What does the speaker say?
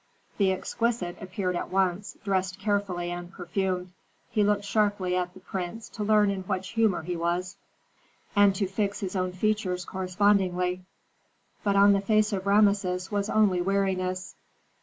The exquisite appeared at once, dressed carefully and perfumed. He looked sharply at the prince to learn in what humor he was, and to fix his own features correspondingly. But on the face of Rameses was only weariness.